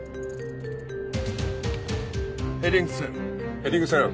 ヘディングセル。